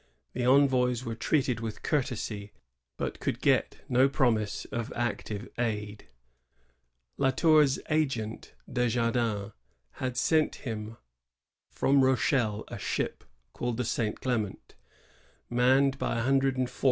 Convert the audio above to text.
The envoys were treated with courtesy, but could get no promise of active aid.' La Tour's agent, Desjardins, had sent him from Rochelle a ship, called the ^^St. Clement," manned 1 Menou, L'AeadU colonist.